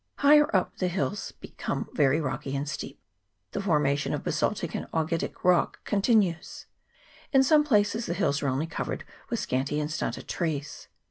Higher up the hills become very rocky and steep : the formation of basaltic and augitic rock continues. In some places the hills are only covered with scanty and stunted trees.